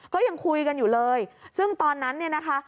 ก็ยังคุยกันอยู่เลยซึ่งตอนนั้นเนี่ยนะคะ